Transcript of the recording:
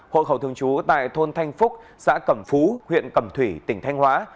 hộ khẩu thường trú tại thôn thanh phúc xã cẩm phú huyện cẩm thủy tỉnh thanh hóa